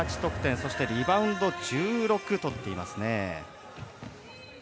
そしてリバウンド１６とっていますね。